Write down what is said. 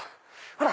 ほら！